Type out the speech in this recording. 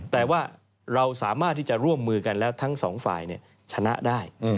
แต่ว่าเราสามารถที่จะร่วมมือกันแล้วทั้งสองฝ่ายชนะได้